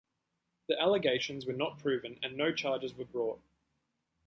The allegations were not proven and no charges were brought.